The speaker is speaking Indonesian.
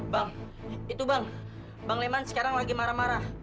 bang itu bang bang leman sekarang lagi marah marah